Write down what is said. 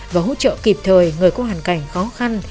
và hỗ trợ kịp thời người có hoàn cảnh khó khăn